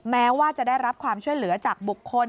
แม้ว่าจะได้รับความช่วยเหลือจากบุคคล